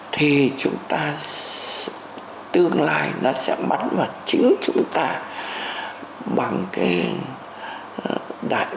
thì chúng ta tương lai nó sẽ bắn vào chính chúng ta bằng cái đại bác hoặc một cái gì đó